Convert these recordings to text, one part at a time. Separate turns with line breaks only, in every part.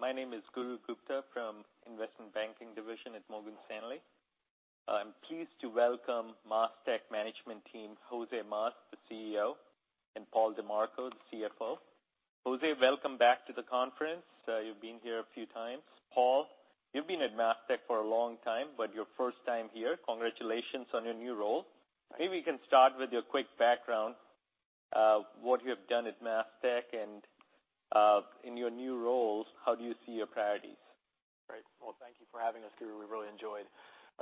My name is Gaurav Gupta from Investment Banking division at Morgan Stanley. I'm pleased to welcome MasTec management team, José Mas, the CEO, and Paul DiMarco, the CFO. Jose, welcome back to the conference. You've been here a few times. Paul, you've been at MasTec for a long time, but your first time here, congratulations on your new role. Maybe you can start with your quick background, what you have done at MasTec, and, in your new roles, how do you see your priorities?
Great. Well, thank you for having us, Gaurav. We really enjoyed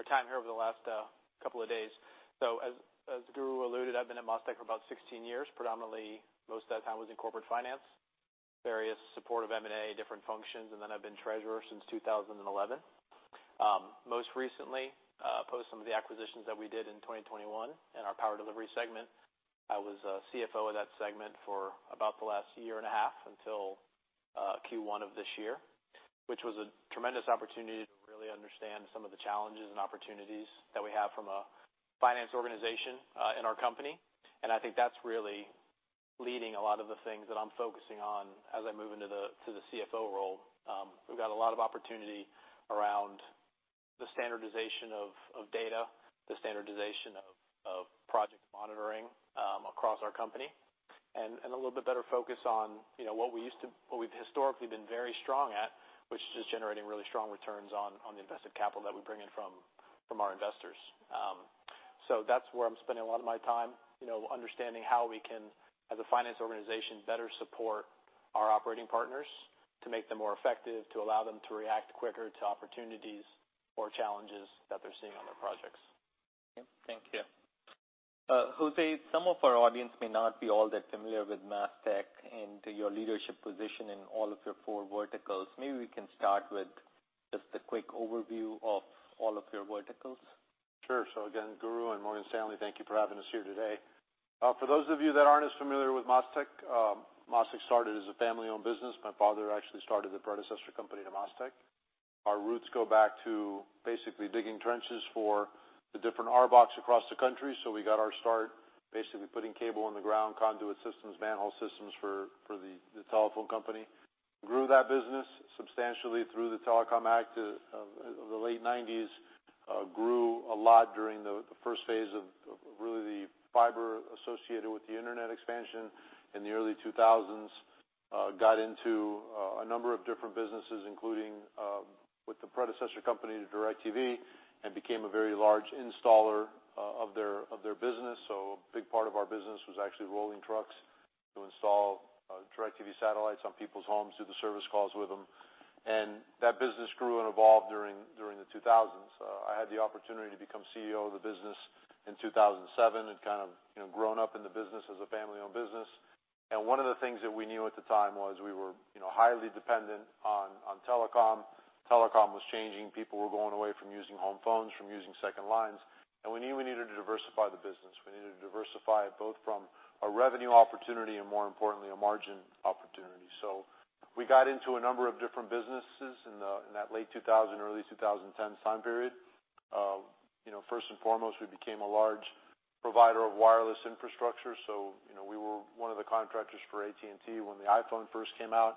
our time here over the last couple of days. So as Gaurav alluded, I've been at MasTec for about 16 years. Predominantly, most of that time was in corporate finance, various support of M&A, different functions, and then I've been treasurer since 2011. Most recently, post some of the acquisitions that we did in 2021 in our power delivery segment, I was a CFO of that segment for about the last year and a half until Q1 of this year, which was a tremendous opportunity to really understand some of the challenges and opportunities that we have from a finance organization in our company. And I think that's really leading a lot of the things that I'm focusing on as I move into to the CFO role. We've got a lot of opportunity around the standardization of data, the standardization of project monitoring, across our company, and a little bit better focus on, what we've historically been very strong at, which is generating really strong returns on the invested capital that we bring in from our investors. That's where I'm spending a lot of my time, understanding how we can, as a finance organization, better support our operating partners to make them more effective, to allow them to react quicker to opportunities or challenges that they're seeing on their projects.
Okay. Thank you. José, some of our audience may not be all that familiar with MasTec and your leadership position in all of your four verticals. Maybe we can start with just a quick overview of all of your verticals.
Sure. Again, Gaurav and Morgan Stanley, thank you for having us here today. For those of you that aren't as familiar with MasTec, MasTec started as a family-owned business. My father actually started the predecessor company to MasTec. Our roots go back to basically digging trenches for the different RBOCs across the country. So we got our start basically putting cable in the ground, conduit systems, manhole systems for the telephone company. Grew that business substantially through the Telecom Act of the late 1990s. Grew a lot during the first phase of really the fiber associated with the internet expansion in the early 2000s. Got into a number of different businesses, including with the predecessor company to DirecTV, and became a very large installer of their business. So a big part of our business was actually rolling trucks to install DirecTV satellites on people's homes, do the service calls with them, and that business grew and evolved during the 2000s. I had the opportunity to become CEO of the business in 2007, and kind of, grown up in the business as a family-owned business. One of the things that we knew at the time was we were, highly dependent on telecom. Telecom was changing. People were going away from using home phones, from using second lines, and we knew we needed to diversify the business. We needed to diversify it both from a revenue opportunity and, more importantly, a margin opportunity. So we got into a number of different businesses in that late 2000, early 2010 time period. First and foremost, we became a large provider of wireless infrastructure. We were one of the contractors for AT&T when the iPhone first came out,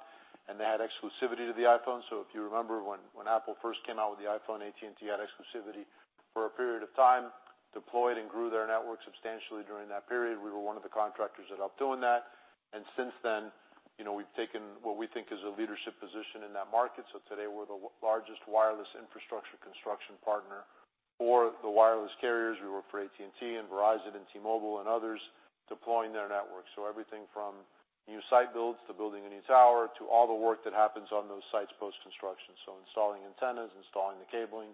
and they had exclusivity to the iPhone. So if you remember, when Apple first came out with the iPhone, AT&T had exclusivity for a period of time, deployed and grew their network substantially during that period. We were one of the contractors that helped doing that, and since then, we've taken what we think is a leadership position in that market. So today, we're the largest wireless infrastructure construction partner for the wireless carriers. We work for AT&T, Verizon, T-Mobile, and others, deploying their networks. So everything from new site builds, to building a new tower, to all the work that happens on those sites post-construction. Installing antennas, installing the cabling.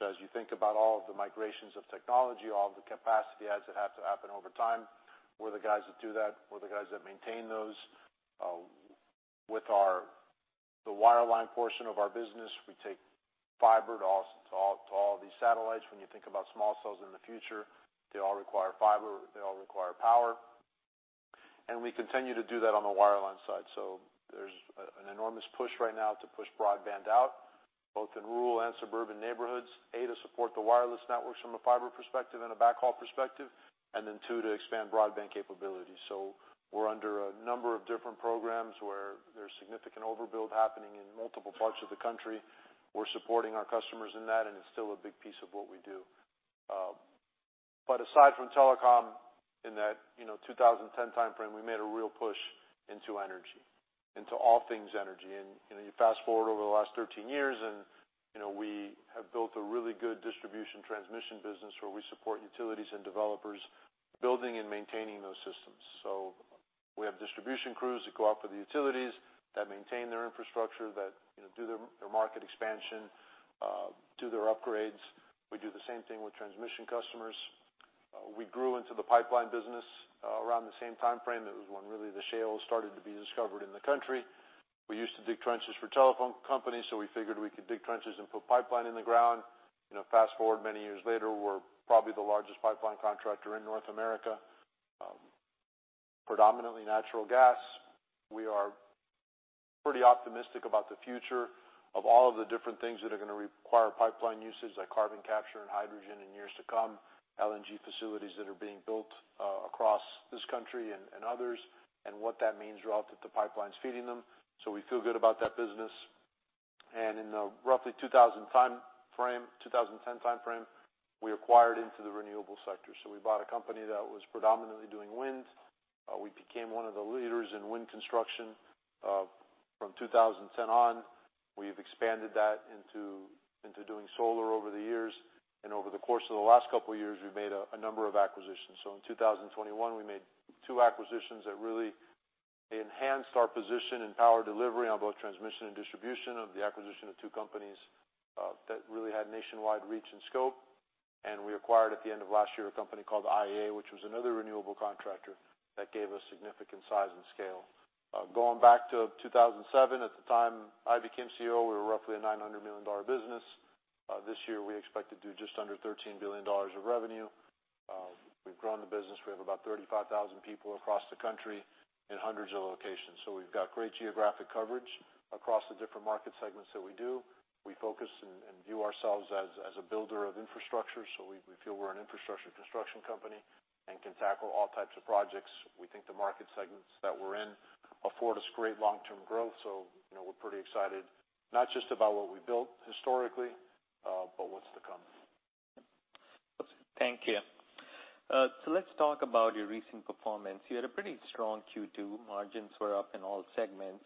So as you think about all of the migrations of technology, all the capacity as it has to happen over time, we're the guys that do that. We're the guys that maintain those. With our the wireline portion of our business, we take fiber to all these satellites. When you think about small cells in the future, they all require fiber, they all require power, and we continue to do that on the wireline side. So there's an enormous push right now to push broadband out, both in rural and suburban neighborhoods, A, to support the wireless networks from a fiber perspective and a backhaul perspective, and then, two, to expand broadband capability. So we're under a number of different programs where there's significant overbuild happening in multiple parts of the country. We're supporting our customers in that, and it's still a big piece of what we do. But aside from telecom, in that, 2010 timeframe, we made a real push into energy, into all things energy. And, you fast-forward over the last 13 years and, we have built a really good distribution transmission business where we support utilities and developers building and maintaining those systems. So we have distribution crews that go out for the utilities, that maintain their infrastructure, that, do their market expansion, do their upgrades. We do the same thing with transmission customers. We grew into the pipeline business around the same timeframe. That was when really the shales started to be discovered in the country. We used to dig trenches for telephone companies, so we figured we could dig trenches and put pipeline in the ground. fast-forward many years later, we're probably the largest pipeline contractor in North America, predominantly natural gas. We are pretty optimistic about the future of all of the different things that are gonna require pipeline usage, like carbon capture and hydrogen in years to come, LNG facilities that are being built across this country and, and others, and what that means throughout the pipelines feeding them. So we feel good about that business and in the roughly 2000 time frame, 2010 time frame, we acquired into the renewable sector. We bought a company that was predominantly doing wind. We became one of the leaders in wind construction from 2010 on. We've expanded that into doing solar over the years, and over the course of the last couple of years, we've made a number of acquisitions. So in 2021, we made two acquisitions that really enhanced our position in power delivery on both transmission and distribution, of the acquisition of two companies that really had nationwide reach and scope. We acquired, at the end of last year, a company called IEA, which was another renewable contractor that gave us significant size and scale. Going back to 2007, at the time I became CEO, we were roughly a $900 million business. This year we expect to do just under $13 billion of revenue. We've grown the business. We have about 35,000 people across the country in hundreds of locations. So we've got great geographic coverage across the different market segments that we do. We focus and view ourselves as a builder of infrastructure, so we feel we're an infrastructure construction company and can tackle all types of projects. We think the market segments that we're in afford us great long-term growth, we're pretty excited, not just about what we built historically, but what's to come.
Thank you. So let's talk about your recent performance. You had a pretty strong Q2. Margins were up in all segments.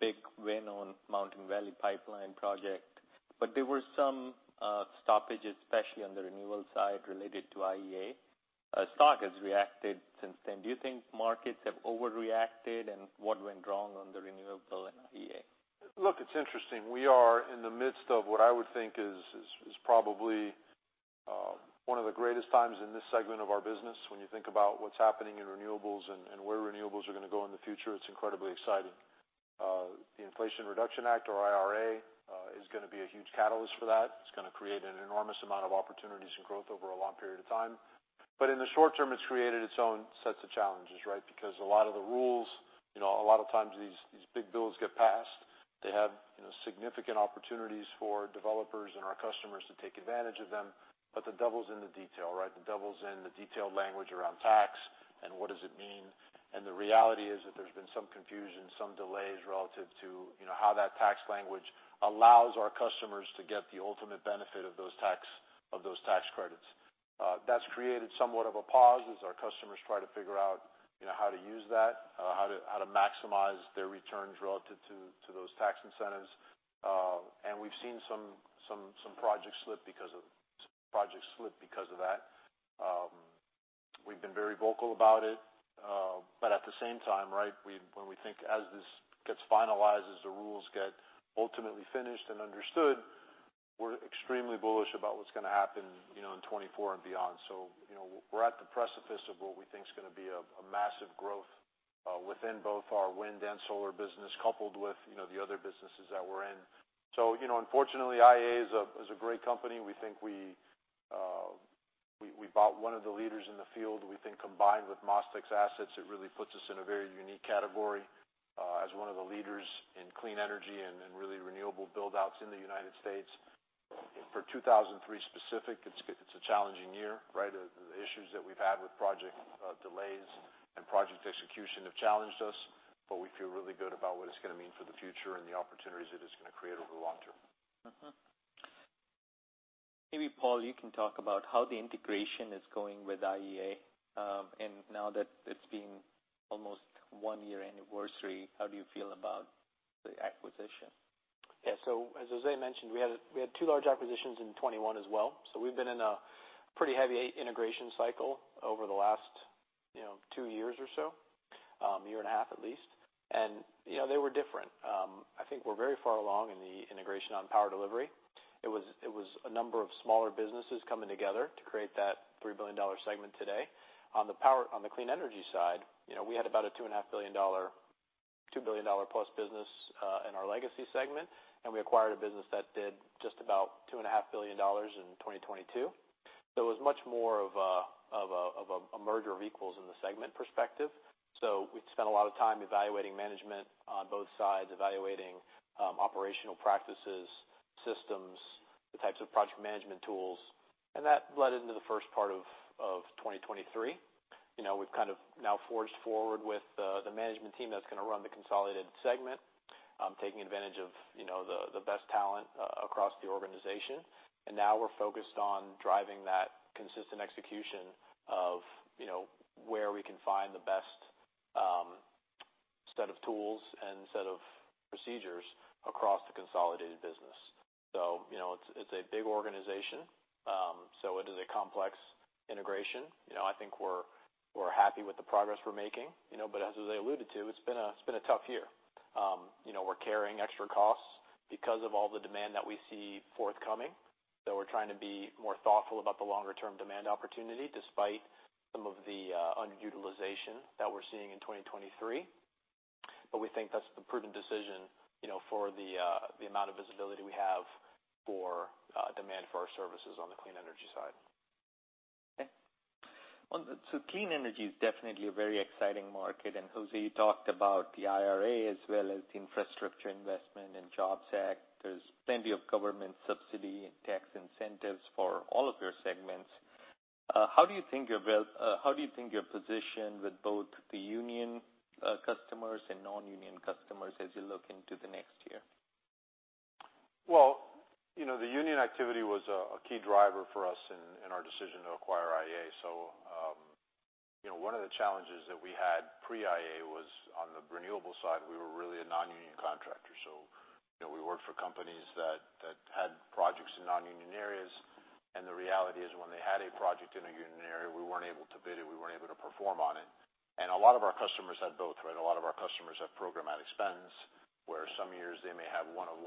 Big win on Mountain Valley Pipeline project, but there were some stoppages, especially on the renewable side, related to IEA. Stock has reacted since then. Do you think markets have overreacted, and what went wrong on the renewable and IEA?
Look, it's interesting. We are in the midst of what I would think is probably one of the greatest times in this segment of our business. When you think about what's happening in renewables and where renewables are gonna go in the future, it's incredibly exciting. The Inflation Reduction Act, or IRA, is gonna be a huge catalyst for that. It's gonna create an enormous amount of opportunities and growth over a long period of time. But in the short term, it's created its own sets of challenges, right? Because a lot of the rules, a lot of times these big bills get passed, they have, significant opportunities for developers and our customers to take advantage of them, but the devil's in the detail, right? The devil's in the detailed language around tax, and what does it mean? The reality is that there's been some confusion, some delays relative to, how that tax language allows our customers to get the ultimate benefit of those tax credits. That's created somewhat of a pause as our customers try to figure out, how to use that, how to maximize their returns relative to those tax incentives. And we've seen some projects slip because of that. We've been very vocal about it, but at the same time, right, when we think as this gets finalized, as the rules get ultimately finished and understood, we're extremely bullish about what's gonna happen, in 2024 and beyond. So, we're at the precipice of what we think is gonna be a massive growth within both our wind and solar business, coupled with, the other businesses that we're in. So, unfortunately, IEA is a great company. We think we bought one of the leaders in the field. We think combined with MasTec assets, it really puts us in a very unique category as one of the leaders in clean energy and really renewable build-outs in the United States. For 2023 specific, it's a challenging year, right? The issues that we've had with project delays and project execution have challenged us, but we feel really good about what it's gonna mean for the future and the opportunities it is gonna create over the long term.
Maybe, Paul, you can talk about how the integration is going with IEA. And now that it's been almost 1-year anniversary, how do you feel about the acquisition?
As José mentioned, we had a, we had 2 large acquisitions in 2021 as well, so we've been in a pretty heavy integration cycle over the last, 2 years or so, year and a half at least. And, they were different. I think we're very far along in the integration on Power Delivery. It was, it was a number of smaller businesses coming together to create that $3 billion segment today. On the clean energy side, we had about a $2.5 billion, $2 billion+ business in our legacy segment, and we acquired a business that did just about $2.5 billion in 2022. So it was much more of a merger of equals in the segment perspective. So we've spent a lot of time evaluating management on both sides, evaluating operational practices, systems, the types of project management tools, and that led into the first part of 2023. we've kind of now forged forward with the management team that's gonna run the consolidated segment, taking advantage of, the best talent across the organization. And now we're focused on driving that consistent execution of, where we can find the best set of tools and set of procedures across the consolidated business. So, it's a big organization, so it is a complex integration. I think we're happy with the progress we're making, but as José alluded to, it's been a tough year. we're carrying extra costs because of all the demand that we see forthcoming, so we're trying to be more thoughtful about the longer term demand opportunity, despite some of the underutilization that we're seeing in 2023. But we think that's the prudent decision, for the amount of visibility we have for demand for our services on the clean energy side.
Okay. Clean energy is definitely a very exciting market, and José, you talked about the IRA as well as the Infrastructure Investment and Jobs Act. There's plenty of government subsidy and tax incentives for all of your segments. How do you think you're positioned with both the union customers and non-union customers as you look into the next year?
Well, the union activity was a key driver for us in our decision to acquire IEA. So, one of the challenges that we had pre-IEA was on the renewable side, we were really a non-union contractor. So, we worked for companies that had projects in non-union areas, and the reality is, when they had a project in a union area, we weren't able to bid it, we weren't able to perform on it. And a lot of our customers had both, right? A lot of our customers have programmatic spends, where some years they may have one or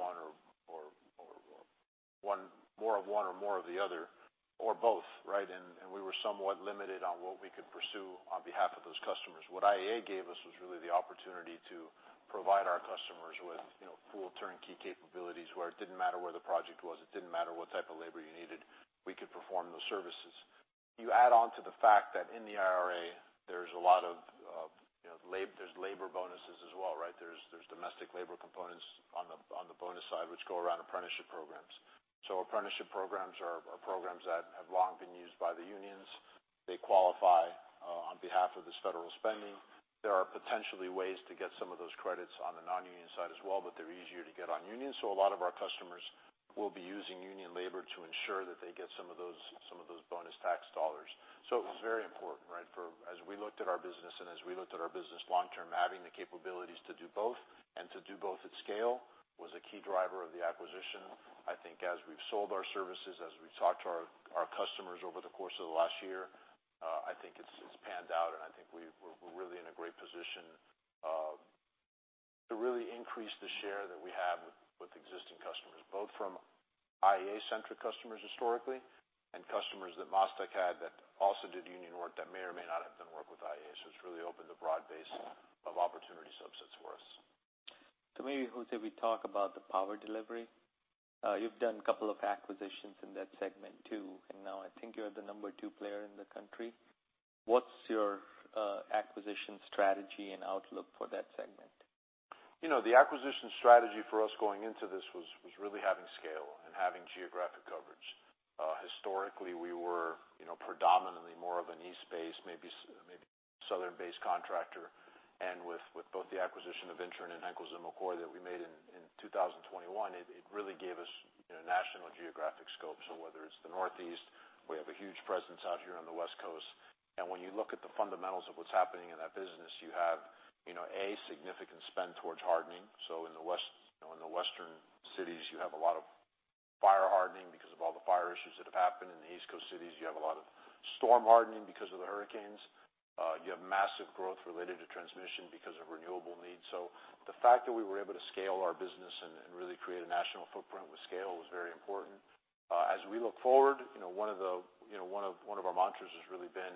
more of one or more of the other, or both, right? And we were somewhat limited on what we could pursue on behalf of those customers. What IEA gave us was really the opportunity to provide our customers with, full turnkey capabilities, where it didn't matter where the project was, it didn't matter what type of labor you needed, we could perform those services. You add on to the fact that in the IRA, there's a lot of, labor bonuses as well, right? There's domestic labor components on the, on the bonus side, which go around apprenticeship programs. So apprenticeship programs are programs that have long been used by the unions. They qualify on behalf of this federal spending. There are potentially ways to get some of those credits on the non-union side as well, but they're easier to get on union. So a lot of our customers will be using union labor to ensure that they get some of those, some of those bonus tax dollars. So it was very important, right, for as we looked at our business and as we looked at our business long-term, having the capabilities to do both and to do both at scale, was a key driver of the acquisition. I think as we've sold our services, as we've talked to our customers over the course of the last year, I think it's panned out, and I think we're really in a great position to really increase the share that we have with existing customers, both from IEA-centric customers historically, and customers that MasTec had that also did union work that may or may not have done work with IEA. It's really opened a broad base of opportunity subsets for us.
So maybe, José, we talk about the power delivery. You've done a couple of acquisitions in that segment too, and now I think you're the number two player in the country. What's your acquisition strategy and outlook for that segment?
The acquisition strategy for us going into this was really having scale and having geographic coverage. Historically, we were, predominantly more of an East-based, maybe Southern-based contractor. And with both the acquisition of INTREN and Henkels & McCoy that we made in 2021, it really gave us, national geographic scope. So whether it's the Northeast, we have a huge presence out here on the West Coast. And when you look at the fundamentals of what's happening in that business, you have a significant spend towards hardening. So in the West, in the western cities, you have a lot of fire hardening because of all the fire issues that have happened. In the East Coast cities, you have a lot of storm hardening because of the hurricanes. You have massive growth related to transmission because of renewable needs. So the fact that we were able to scale our business and really create a national footprint with scale was very important. As we look forward, one of our mantras has really been,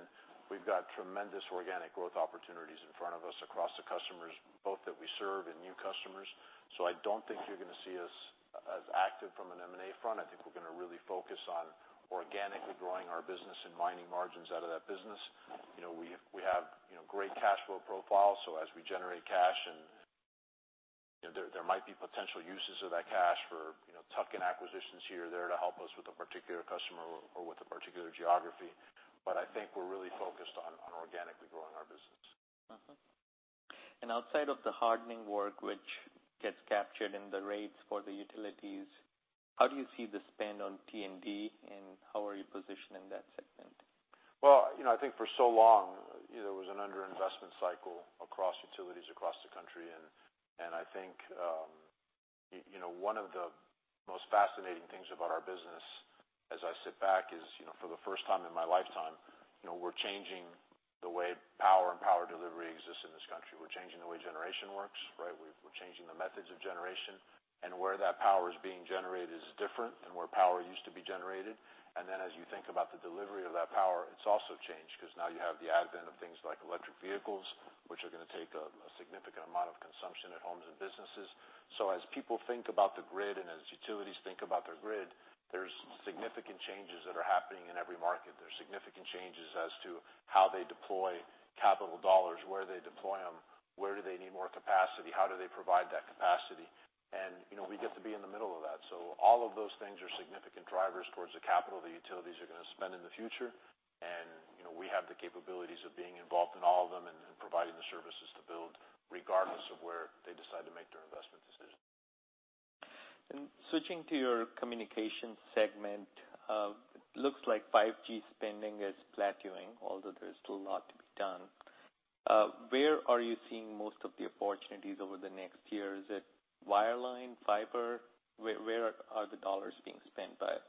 we've got tremendous organic growth opportunities in front of us across the customers, both that we serve and new customers. So I don't think you're gonna see us as active from an M&A front. I think we're gonna really focus on organically growing our business and mining margins out of that business. We have, great cash flow profile, so as we generate cash and, there might be potential uses of that cash for tuck-in acquisitions here or there to help us with a particular customer or with a particular geography. But I think we're really focused on organically growing our business.
Outside of the hardening work, which gets captured in the rates for the utilities, how do you see the spend on T&D, and how are you positioned in that segment?
Well, I think for so long, there was an underinvestment cycle across utilities across the country, and I think, one of the most fascinating things about our business as I sit back is, for the first time in my lifetime, we're changing the way power and power delivery exists in this country. We're changing the way generation works, right? We're changing the methods of generation, and where that power is being generated is different than where power used to be generated. And then as you think about the delivery of that power, it's also changed because now you have the advent of things like electric vehicles, which are gonna take a significant amount of consumption at homes and businesses. So as people think about the grid and as utilities think about their grid, there's significant changes that are happening in every market. There's significant changes as to how they deploy capital dollars, where they deploy them, where do they need more capacity, and how do they provide that capacity? And, we get to be in the middle of that. All of those things are significant drivers towards the capital the utilities are gonna spend in the future. And, we have the capabilities of being involved in all of them and providing the services to build, regardless of where they decide to make their investment decisions.
Switching to your communication segment, it looks like 5G spending is plateauing, although there is still a lot to be done. Where are you seeing most of the opportunities over the next year? Is it wireline, fiber? Where, where are the dollars being spent by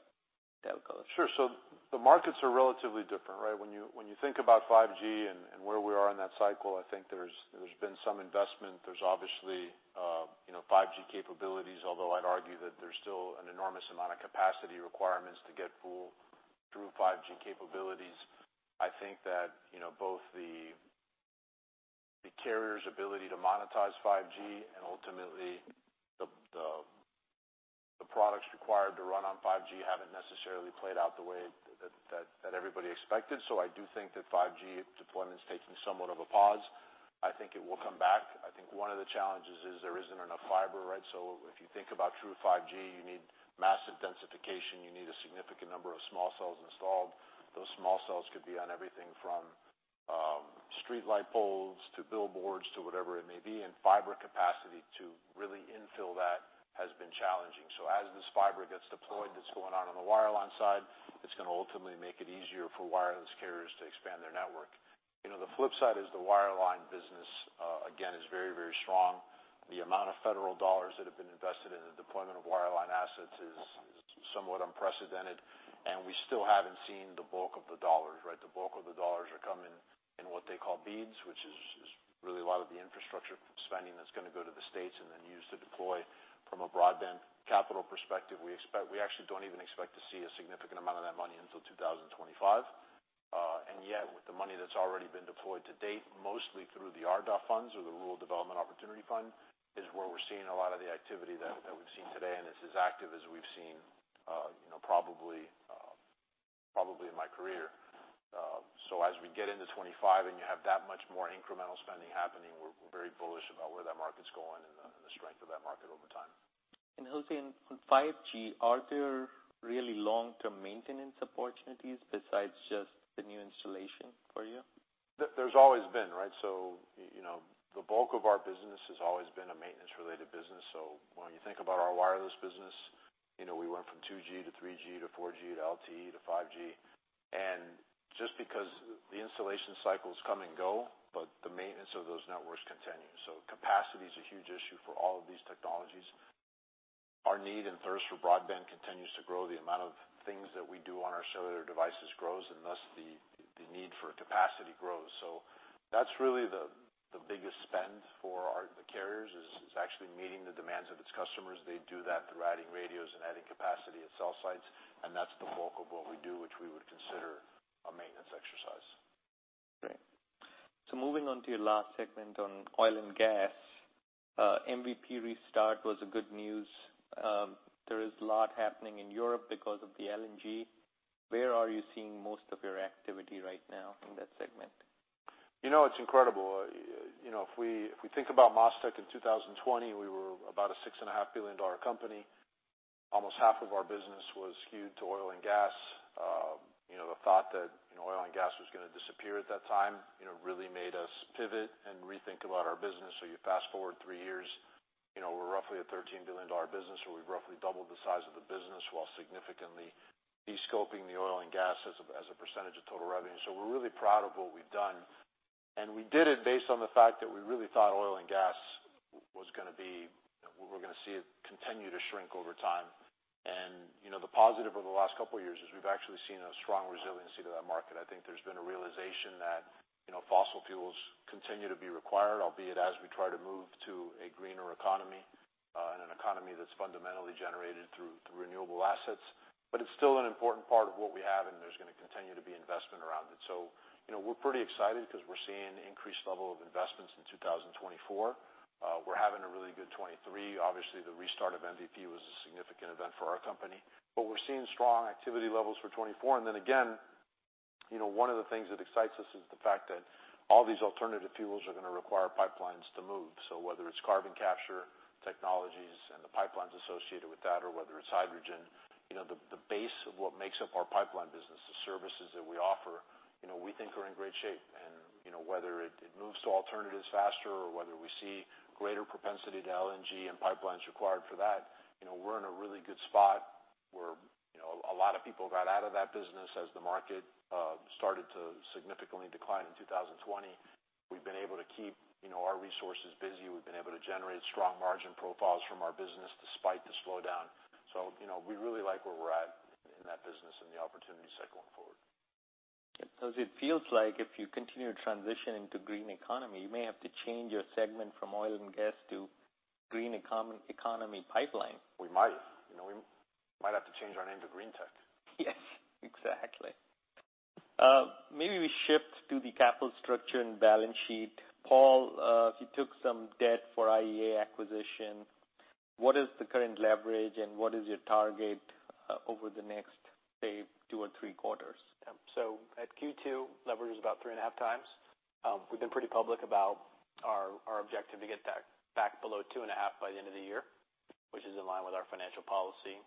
telcos?
Sure. So the markets are relatively different, right? When you, when you think about 5G and where we are in that cycle, I think there's, there's been some investment. There's obviously, 5G capabilities, although I'd argue that there's still an enormous amount of capacity requirements to get full through 5G capabilities. I think that, both the, the carrier's ability to monetize 5G and ultimately the, the, the products required to run on 5G haven't necessarily played out the way that, that, that everybody expected. So I do think that 5G deployment is taking somewhat of a pause. I think it will come back. I think one of the challenges is there isn't enough fiber, right? If you think about true 5G, you need massive densification. You need a significant number of small cells installed. Those Small Cells could be on everything from streetlight poles, to billboards, to whatever it may be, and fiber capacity to really infill that has been challenging. So as this fiber gets deployed, that's going on on the wireline side, it's gonna ultimately make it easier for wireless carriers to expand their network. the flip side is the wireline business, again, is very, very strong. The amount of federal dollars that have been invested in the deployment of wireline assets is somewhat unprecedented, and we still haven't seen the bulk of the dollars, right? The bulk of the dollars are coming in what they call BEAD, which is really a lot of the infrastructure spending that's gonna go to the states and then used to deploy from a broadband capital perspective. We actually don't even expect to see a significant amount of that money until 2025. And yet, with the money that's already been deployed to date, mostly through the RDOF funds or the Rural Digital Opportunity Fund, is where we're seeing a lot of the activity that we've seen today, and it's as active as we've seen, probably in my career. As we get into 2025 and you have that much more incremental spending happening, we're very bullish about where that market's going and the strength of that market over time.
José, on 5G, are there really long-term maintenance opportunities besides just the new installation for you?
There, there's always been, right? So, the bulk of our business has always been a maintenance-related business. So when you think about our wireless business, we went from 2G to 3G to 4G to LTE to 5G. And just because the installation cycles come and go, but the maintenance of those networks continues. So capacity is a huge issue for all of these technologies. Our need and thirst for broadband continues to grow. The amount of things that we do on our cellular devices grows, and thus, the need for capacity grows. So that's really the biggest spend for our the carriers, is actually meeting the demands of its customers. They do that through adding radios and adding capacity at cell sites, and that's the bulk of what we do, which we would consider a maintenance exercise.
Great. So moving on to your last segment on oil and gas. MVP restart was good news. There is a lot happening in Europe because of the LNG. Where are you seeing most of your activity right now in that segment?
it's incredible. if we, if we think about MasTec in 2020, we were about a $6.5 billion company. Almost half of our business was skewed to oil and gas. the thought that, oil and gas was gonna disappear at that time, really made us pivot and rethink about our business. You fast forward 3 years, we're roughly a $13 billion business, where we've roughly doubled the size of the business while significantly descoping the oil and gas as a, as a percentage of total revenue. So we're really proud of what we've done, and we did it based on the fact that we really thought oil and gas was gonna be, you know. We were gonna see it continue to shrink over time. the positive over the last couple of years is we've actually seen a strong resiliency to that market. I think there's been a realization that, fossil fuels continue to be required, albeit as we try to move to a greener economy, and an economy that's fundamentally generated through renewable assets. But it's still an important part of what we have, and there's gonna continue to be investment around it. So, we're pretty excited because we're seeing increased level of investments in 2024. We're having a really good 2023. Obviously, the restart of MVP was a significant event for our company, but we're seeing strong activity levels for 2024. And then again, one of the things that excites us is the fact that all these alternative fuels are gonna require pipelines to move. So whether it's carbon capture technologies and the pipelines associated with that, or whether it's hydrogen, the base of what makes up our pipeline business, the services that we offer, we think are in great shape. And, whether it moves to alternatives faster or whether we see greater propensity to LNG and pipelines required for that, we're in a really good spot, where, a lot of people got out of that business as the market started to significantly decline in 2020. We've been able to keep, our resources busy. We've been able to generate strong margin profiles from our business despite the slowdown. So, we really like where we're at in that business and the opportunity set going forward.
It does. It feels like if you continue to transition into green economy, you may have to change your segment from oil and gas to green economy pipeline.
We might. we might have to change our name to Green Tech.
Yes, exactly. Maybe we shift to the capital structure and balance sheet. Paul, you took some debt for the IEA acquisition. What is the current leverage, and what is your target over the next, say, two or three quarters?
So at Q2, leverage is about 3.5 times. We've been pretty public about our objective to get back below 2.5 by the end of the year, which is in line with our financial policy.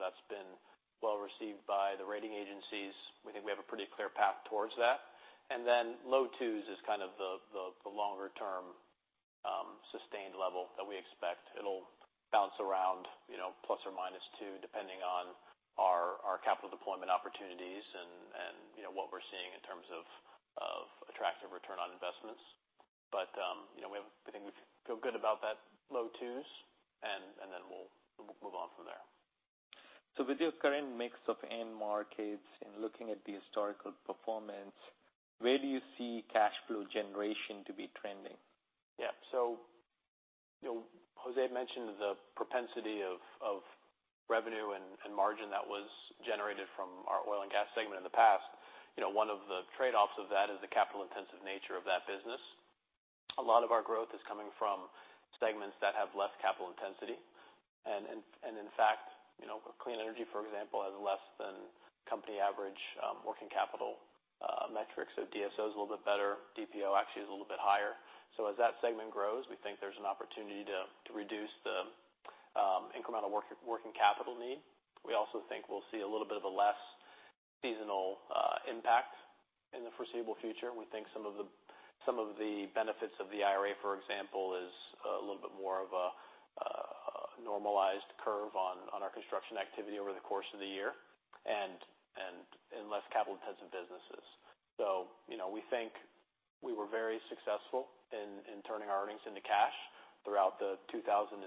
that's been well received by the rating agencies. We think we have a pretty clear path towards that. And then low 2 is kind of the longer term sustained level that we expect. It'll bounce around, ±2, depending on our capital deployment opportunities and, what we're seeing in terms of attractive return on investments. But, we have—I think we feel good about that low 2s, and then we'll move on from there.
So with your current mix of end markets and looking at the historical performance, where do you see cash flow generation to be trending?
So, José mentioned the propensity of revenue and margin that was generated from our oil and gas segment in the past. one of the trade-offs of that is the capital-intensive nature of that business. A lot of our growth is coming from segments that have less capital intensity. In fact, clean energy, for example, has less than company average working capital metrics. So DSO is a little bit better. DPO actually is a little bit higher. So as that segment grows, we think there's an opportunity to reduce the incremental working capital need. We also think we'll see a little bit of a less seasonal impact in the foreseeable future. We think some of the benefits of the IRA, for example, is a little bit more of a normalized curve on our construction activity over the course of the year, and in less capital-intensive businesses. So, we think we were very successful in turning our earnings into cash throughout the 2010,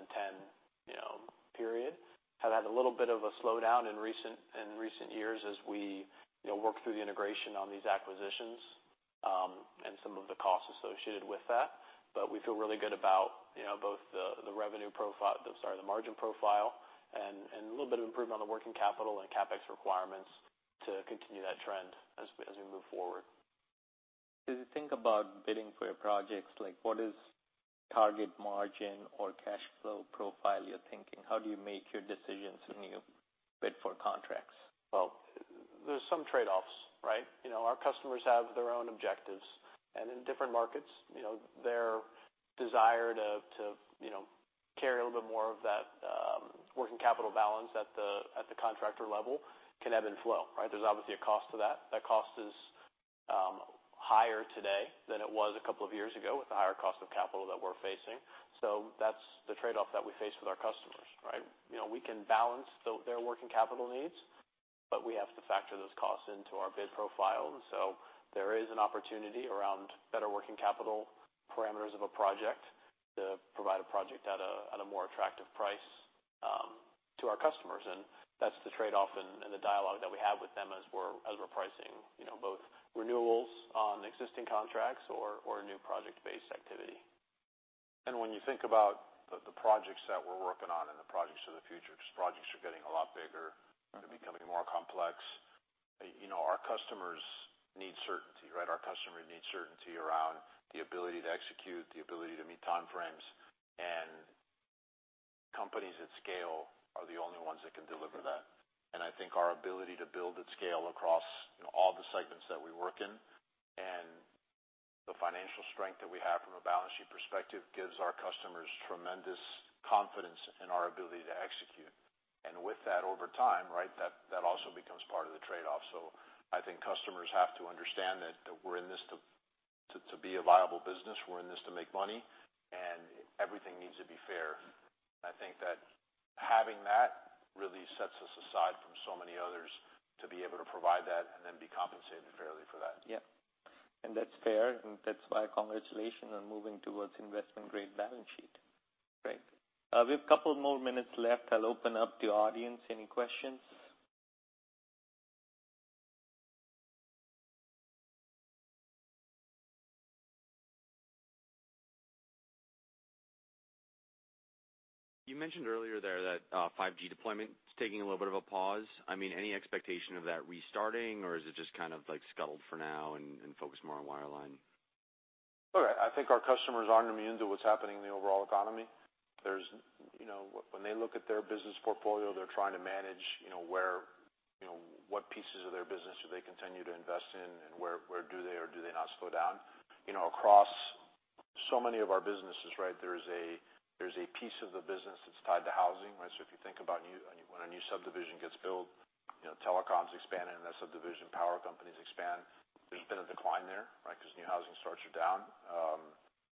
period. Have had a little bit of a slowdown in recent years as we, work through the integration on these acquisitions, and some of the costs associated with that. But we feel really good about, both the margin profile and a little bit of improvement on the working capital and CapEx requirements to continue that trend as we move forward.
As you think about bidding for your projects, like what is target margin or cash flow profile you're thinking? How do you make your decisions when you bid for contracts?
Well, there's some trade-offs, right? our customers have their own objectives, and in different markets, their desire to carry a little bit more of that, working capital balance at the contractor level can ebb and flow, right? There's obviously a cost to that. That cost is higher today than it was a couple of years ago, with the higher cost of capital that we're facing. So that's the trade-off that we face with our customers, right? we can balance their working capital needs, but we have to factor those costs into our bid profile. So there is an opportunity around better working capital parameters of a project to provide a project at a more attractive price to our customers, and that's the trade-off in the dialogue that we have with them as we're pricing, both renewals on existing contracts or new project-based activity.
And when you think about the projects that we're working on and the projects of the future, these projects are getting a lot bigger and becoming more complex. our customers need certainty, right? Our customer needs certainty around the ability to execute, the ability to meet time frames, and companies at scale are the only ones that can deliver that. And I think our ability to build at scale across, all the segments that we work in, and the financial strength that we have from a balance sheet perspective, gives our customers tremendous confidence in our ability to execute. And with that, over time, right, that also becomes part of the trade-off. So I think customers have to understand that we're in this to be a viable business. We're in this to make money, and everything needs to be fair. I think that having that really sets us aside from so many others, to be able to provide that and then be compensated fairly for that.
Yeah, and that's fair, and that's why congratulations on moving towards investment-grade balance sheet. Great. We have a couple more minutes left. I'll open up the audience. Any questions?
You mentioned earlier there that 5G deployment is taking a little bit of a pause. I mean, any expectation of that restarting, or is it just kind of like scuttled for now and focus more on wireline?
Look, I think our customers aren't immune to what's happening in the overall economy. There's. When they look at their business portfolio, they're trying to manage, where, what pieces of their business do they continue to invest in, and where, where do they or do they not slow down? across so many of our businesses, right, there's a, there's a piece of the business that's tied to housing, right? So if you think about when a new subdivision gets built, telecoms expand in that subdivision, and power companies expand. There's been a decline there, right? Because new housing starts are down.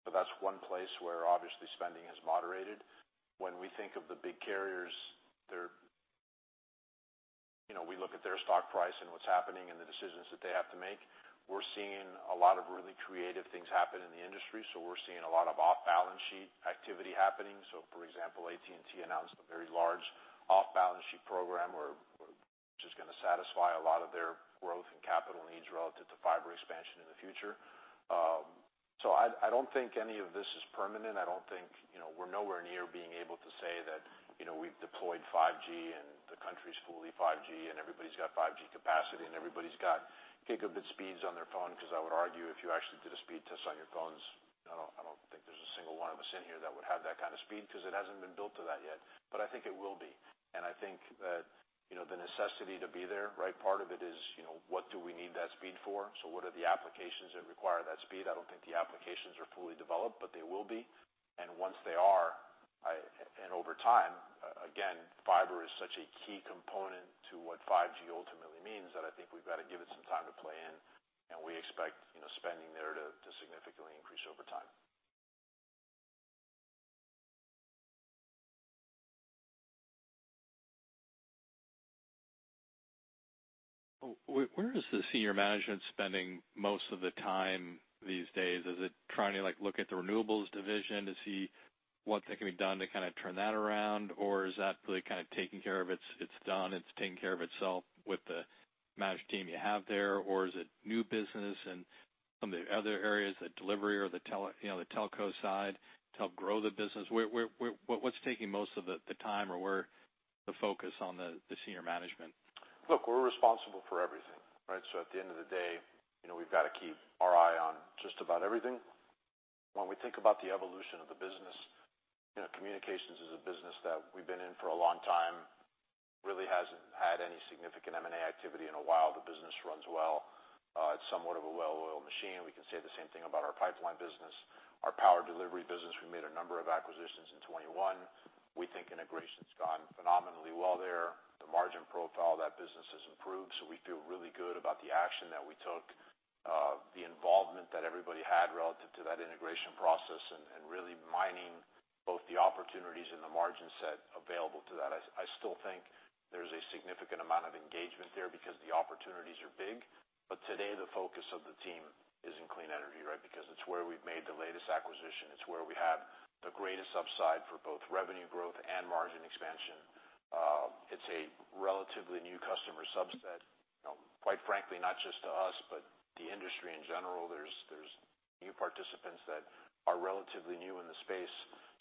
So that's one place where obviously spending has moderated. When we think of the big carriers, they're. we look at their stock price and what's happening and the decisions that they haveWe to make. We're seeing a lot of really creative things happen in the industry, so we're seeing a lot of off-balance sheet activity happening. So, for example, AT&T announced a very large off-balance sheet program, which is gonna satisfy a lot of their growth and capital needs relative to fiber expansion in the future. So, I don't think any of this is permanent. I don't think, we're nowhere near being able to say that, we've deployed 5G and the country's fully 5G, and everybody's got 5G capacity, and everybody's got gigabit speeds on their phone. Because I would argue, if you actually did a speed test on your phones, I don't think there's a single one of us in here that would have that kind of speed, because it hasn't been built to that yet. But I think it will be, and I think that, the necessity to be there, right? Part of it is, what do we need that speed for? So what are the applications that require that speed? I don't think the applications are fully developed, but they will be. And once they are, and over time, again, fiber is such a key component to what 5G ultimately means, that I think we've got to give it some time to play in, and we expect, spending there to significantly increase over time.
Where is the senior management spending most of the time these days? Is it trying to, like, look at the renewables division to see what that can be done to kind of turn that around? Or is that really kind of taken care of, it's, it's done, it's taking care of itself with the management team you have there? Or is it new business and some of the other areas, the delivery or the telco side, to help grow the business? Where, where, where, what's taking most of the, the time, or where-. the focus on the senior management?
Look, we're responsible for everything, right? So at the end of the day, we've got to keep our eye on just about everything. When we think about the evolution of the business, communications is a business that we've been in for a long time. Really hasn't had any significant M&A activity in a while. The business runs well. It's somewhat of a well-oiled machine. We can say the same thing about our pipeline business. Our power delivery business, we made a number of acquisitions in 2021. We think integration's gone phenomenally well there. The margin profile of that business has improved, so we feel really good about the action that we took, the involvement that everybody had relative to that integration process, and really mining both the opportunities and the margin set available to that. I still think there's a significant amount of engagement there because the opportunities are big. But today, the focus of the team is in clean energy, right? Because it's where we've made the latest acquisition. It's where we have the greatest upside for both revenue growth and margin expansion. It's a relatively new customer subset, quite frankly, not just to us, but the industry in general. There's new participants that are relatively new in the space.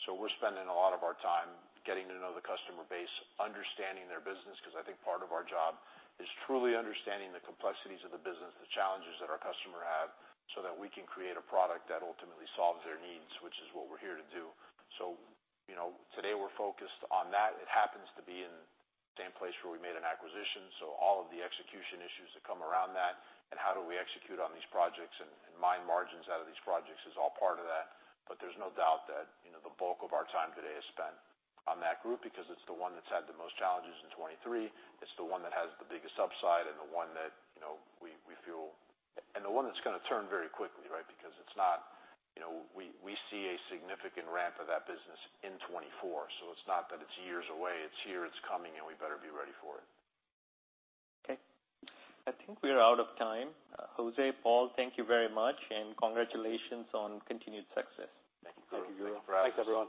So we're spending a lot of our time getting to know the customer base, understanding their business, because I think part of our job is truly understanding the complexities of the business, the challenges that our customer have, so that we can create a product that ultimately solves their needs, which is what we're here to do. So, today, we're focused on that. It happens to be in the same place where we made an acquisition, so all of the execution issues that come around that and how do we execute on these projects and mine margins out of these projects is all part of that. But there's no doubt that, the bulk of our time today is spent on that group because it's the one that's had the most challenges in 2023. It's the one that has the biggest upside and the one that, we feel and the one that's gonna turn very quickly, right? Because it's not, we see a significant ramp of that business in 2024. So it's not that it's years away, it's here, it's coming, and we better be ready for it.
Okay.
I think we are out of time. José, Paul, thank you very much, and congratulations on continued success.
Thank you.
Thanks, everyone.